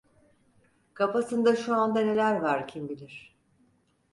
Kafasında şu anda neler var kimbilir...